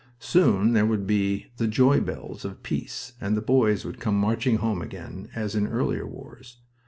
Soon there would be the joy bells of peace, and the boys would come marching home again, as in earlier wars.